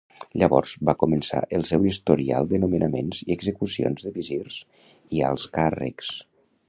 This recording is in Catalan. Llavors va començar el seu historial de nomenaments i execucions de visirs i alts càrrecs.